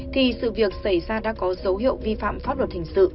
thì sự việc xảy ra đã có dấu hiệu vi phạm pháp luật hình sự